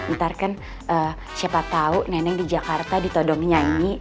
ntar kan siapa tahu neneng di jakarta ditodong nyanyi